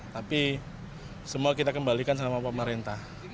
tapi semua kita kembalikan sama pemerintah